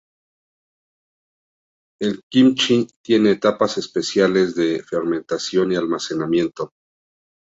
El Kimchi tiene etapas especiales de fermentación y almacenamiento.